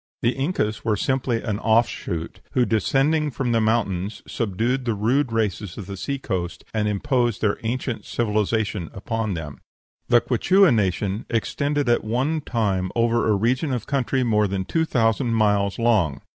The Incas were simply an offshoot, who, descending from the mountains, subdued the rude races of the sea coast, and imposed their ancient civilization upon them. The Quichua nation extended at one time over a region of country more than two thousand miles long.